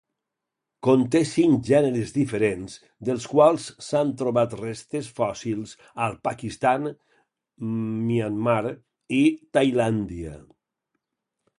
Conté cinc gèneres diferents, dels quals s'han trobat restes fòssils al Pakistan, Myanmar i Tailàndia.